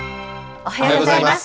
おはようございます。